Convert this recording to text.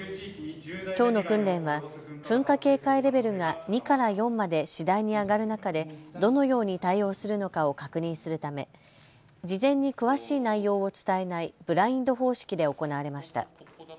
きょうの訓練は噴火警戒レベルが２から４まで次第に上がる中でどのように対応するのかを確認するため事前に詳しい内容を伝えないブラインド方式で行われました。